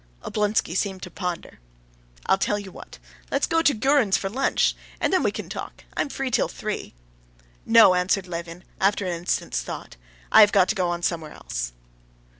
Oblonsky seemed to ponder. "I'll tell you what: let's go to Gurin's to lunch, and there we can talk. I am free till three." "No," answered Levin, after an instant's thought, "I have got to go on somewhere else."